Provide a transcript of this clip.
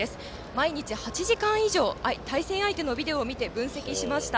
毎日８時間に以上対戦相手のビデオを見て分析しました。